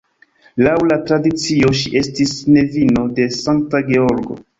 Laŭ la tradicio ŝi estis nevino de Sankta Georgo.